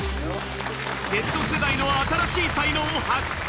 Ｚ世代の新しい才能を発掘。